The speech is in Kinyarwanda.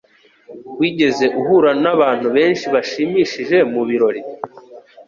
Wigeze uhura nabantu benshi bashimishije mubirori?